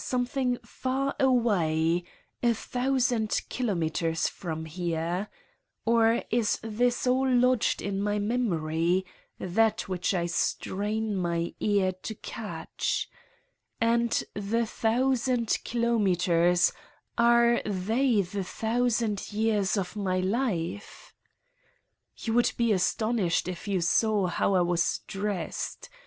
Something far away, a thousand kilometers from here. Or is this all lodged in my memory that which I strain my ear to catch? And the thousand kilometers are they the thousand years of my life? You would be astonished if you saw how I was dressed.